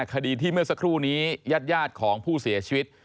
คดีที่เมื่อสักครู่นี้ญาติของผู้เสียชีวิต